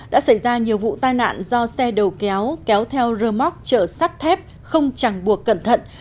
đã xảy ra nhiều vụ tai nạn do xe đầu kéo kéo theo rơ móc chở sắt thép không chẳng buộc cẩn thận